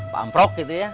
pamprok gitu ya